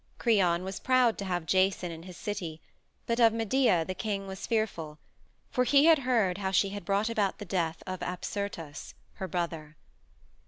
Creon was proud to have Jason in his city, but of Medea the king was fearful, for he had heard how she had brought about the death of Apsyrtus, her brother.